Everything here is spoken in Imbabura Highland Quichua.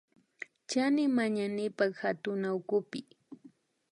Chani manañipak katunawkupi